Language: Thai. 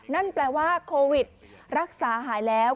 นั่นแปลว่าโควิดรักษาหายแล้ว